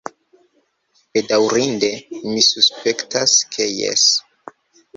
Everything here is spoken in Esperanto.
Bedaŭrinde, mi suspektas ke jes.